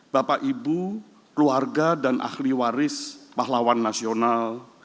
bapak ibu keluarga dan ahli waris pahlawan nasional